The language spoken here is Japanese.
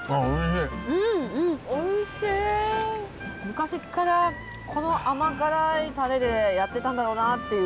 昔っからこの甘辛いタレでやってたんだろうなっていう。